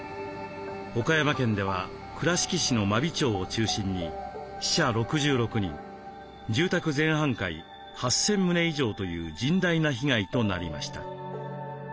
岡山県では倉敷市の真備町を中心に死者６６人住宅全半壊８，０００棟以上という甚大な被害となりました。